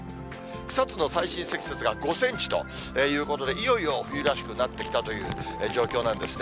草津の最深積雪が５センチということで、いよいよ冬らしくなってきたという状況なんですね。